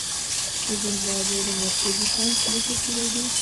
د زیمبابوې د مرکزي بانک مشر پوهېده.